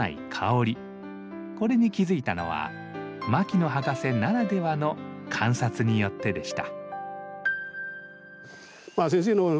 これに気付いたのは牧野博士ならではの観察によってでした。